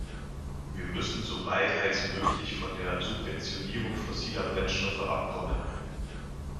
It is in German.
Wir müssen so bald als möglich von der Subventionierung fossiler Brennstoffe abkommen.